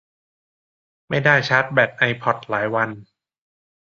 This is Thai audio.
ไม่ได้ชาร์จแบตไอพอดหลายวัน